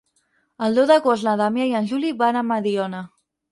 El deu d'agost na Damià i en Juli van a Mediona.